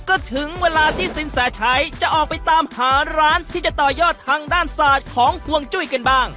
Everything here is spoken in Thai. ก็ถึงเวลาที่สินแสชัยจะออกไปตามหาร้านที่จะต่อยอดทางด้านศาสตร์ของห่วงจุ้ยกันบ้าง